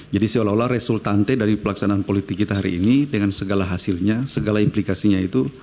jadi seolah olah resultante dari pelaksanaan politik kita hari ini dengan segala hasilnya segala implikasinya itu